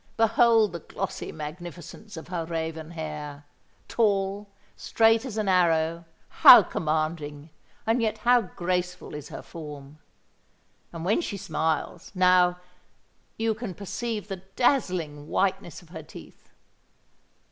Behold the glossy magnificence of her raven hair! Tall—straight as an arrow—how commanding, and yet how graceful is her form! And when she smiles—now—you can perceive the dazzling whiteness of her teeth.